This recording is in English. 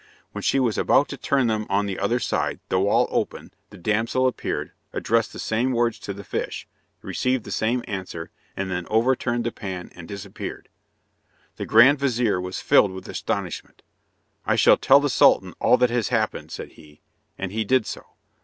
When she was about to turn them on the other side, the wall opened, the damsel appeared, addressed the same words to the fish, received the same answer, and then overturned the pan and disappeared. The grand vizir was filled with astonishment. "I shall tell the Sultan all that has happened," said he. And he did so.